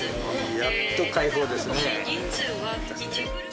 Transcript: やっと解放ですね。